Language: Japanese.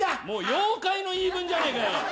もう妖怪の言い分じゃねえかよ。